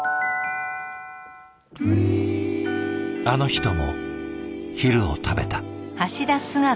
あの人も昼を食べた。